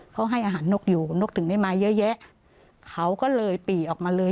เขาให้อาหารนกอยู่นกถึงได้มาเยอะแยะเขาก็เลยปี่ออกมาเลย